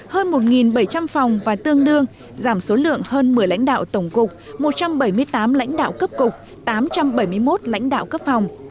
hơn một bảy trăm linh phòng và tương đương giảm số lượng hơn một mươi lãnh đạo tổng cục một trăm bảy mươi tám lãnh đạo cấp cục tám trăm bảy mươi một lãnh đạo cấp phòng